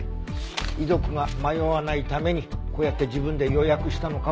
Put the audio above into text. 遺族が迷わないためにこうやって自分で予約したのかも。